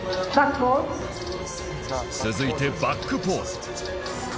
続いてバックポーズ